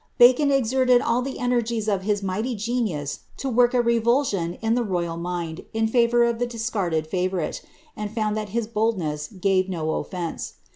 Bacon exerted all the energies of his mighty genius to work a revulsion in the royal mind, in favour of the discarded favourite, and found that his boldness gave no oflence.